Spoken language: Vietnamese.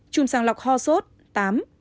năm chủng sàng lọc ho sốt tám